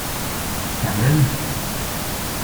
感恩！